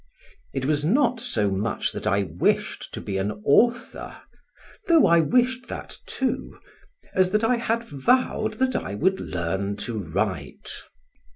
It was not so much that I wished to be an author (though I wished that too) as that I had vowed that I would learn to write.